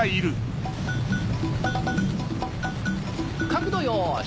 角度よし。